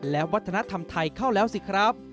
และวัฒนธรรมไทยเข้าแล้วสิครับ